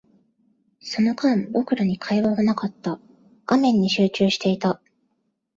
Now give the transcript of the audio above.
その間、僕らに会話はなかった。画面に集中していた。